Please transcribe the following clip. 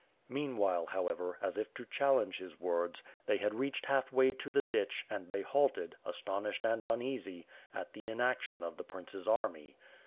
Meanwhile, however, as if to challenge his words, they had reached half way to the ditch and they halted, astonished and uneasy, at the inaction of the prince's army.